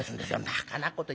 「ばかなこと。